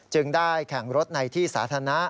ได้แข่งรถในที่สาธารณะ